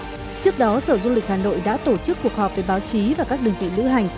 trước đó sở du lịch hà nội đã tổ chức cuộc họp với báo chí và các đơn vị lữ hành